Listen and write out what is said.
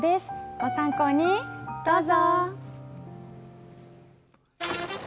ご参考に、どうぞ。